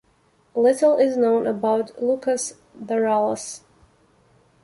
Little is known about Loukas Daralas.